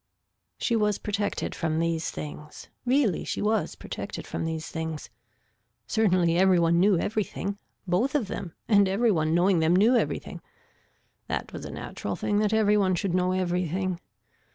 She was protected from these things, really she was protected from these things. Certainly every one knew everything, both of them and every one knowing them knew everything. That was a natural thing that every one should know everything.